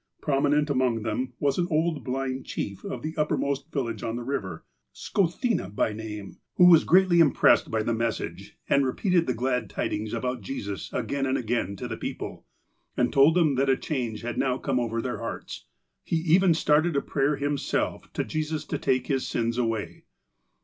Prominent among them was an old, blind chief of the uppermost village on the river, Skothene by name, who was greatly impressed by the FIEST FRUITS 147 message, and repeated the glad tidings about Jesus again and again to the people, and told them that a change had now come over their hearts. He even started a prayer himself to Jesus to take his sins away.